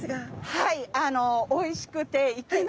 はい。